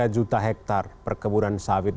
juta hektare perkebunan sawit